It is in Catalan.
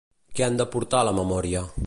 Què han portat a la memòria?